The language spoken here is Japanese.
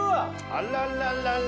あらららら。